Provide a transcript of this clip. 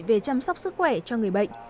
về chăm sóc sức khỏe cho người bệnh